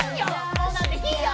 こんなのできんよ！